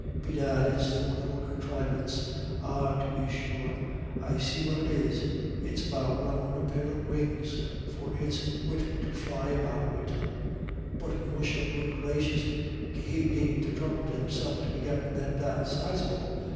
Bedad it's the won'erful conthrivance ah, tub be sure; I see what it is. He's about growin' a pair of wings for his wit to fly away wid. But musha good gracious, he needn't ha' throubled himself to be gettin' them that sizable.